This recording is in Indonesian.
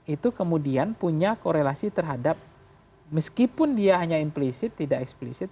itu kemudian punya korelasi terhadap meskipun dia hanya implisit tidak eksplisit